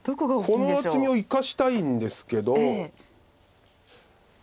この厚みを生かしたいんですけど。